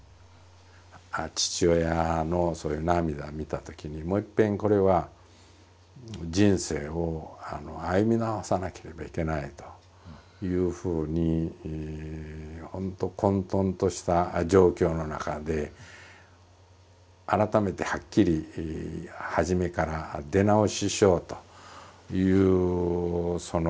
父親の涙を見たときにもういっぺんこれは人生を歩み直さなければいけないというふうにほんと混とんとした状況の中で改めてはっきり初めから出直ししようという覚悟をしましてね